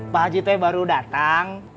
pak haji itu baru datang